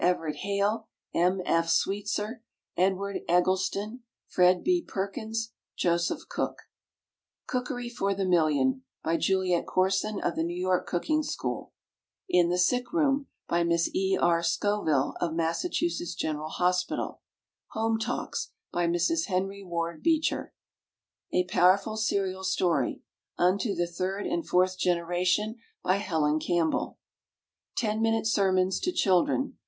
EVERETT HALE, M. F. SWEETSER, EDWARD EGGLESTON, FRED. B. PERKINS, JOSEPH COOK. COOKERY FOR THE MILLION. By JULIET CORSON, of the N. Y. Cooking School. IN THE SICK ROOM. By Miss E. R. SCOVIL, of Mass. General Hospital. HOME TALKS. By Mrs. HENRY WARD BEECHER. A Powerful Serial Story: "Unto the Third and Fourth Generation." By HELEN CAMPBELL. TEN MINUTE SERMONS TO CHILDREN.